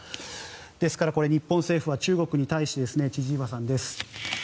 ですから日本政府は中国に対して千々岩さんです。